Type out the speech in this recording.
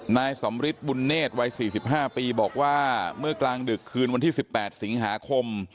นายสำริทบุญเนธวัย๔๕ปีบอกว่าเมื่อกลางดึกคืนวันที่๑๘สิงหาคม